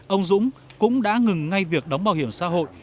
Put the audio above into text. ông dũng cũng đã ngừng ngay việc đóng bảo hiểm xã hội